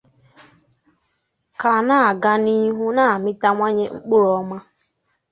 ka na-aga n'ihu na-amịtawanye mkpụrụ ọma